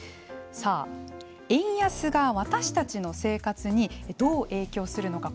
円安が私たちの生活にどう影響するのか。